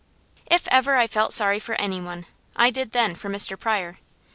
If ever I felt sorry for any one, I did then for Mr. Pryor.